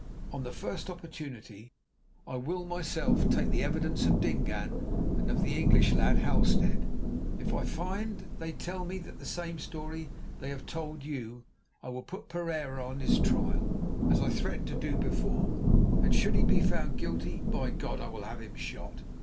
"On the first opportunity I will myself take the evidence of Dingaan and of the English lad, Halstead. If I find they tell me the same story they have told you, I will put Pereira on his trial, as I threatened to do before; and should he be found guilty, by God! I will have him shot.